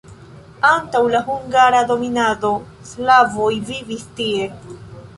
Antaŭ la hungara dominado slavoj vivis tie.